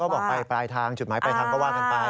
เราก็บอกไปปลายทางจุดหมายไปทางก็ว่ากันไป